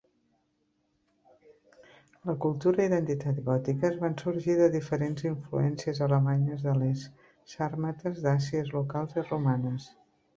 La cultura i identitat gòtiques van sorgir de diferents influències alemanyes de l'est, sàrmates, dàcies locals i romanes.